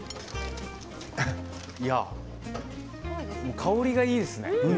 香りがいいですね。